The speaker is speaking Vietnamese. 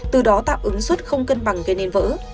từ đó tạo ứng suất không cân bằng gây nên vỡ